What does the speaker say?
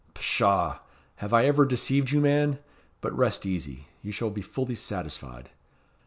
"Pshaw! Have I ever deceived you, man? But rest easy. You shall be fully satisfied."